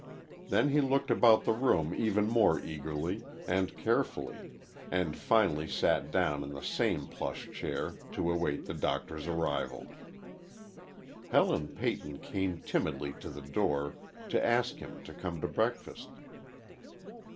Then he looked about the room even more eagerly and carefully, and finally sat down in the same plush chair, to await the Doctor's arrival. Helen Peyton came timidly to the door to ask him to come to breakfast.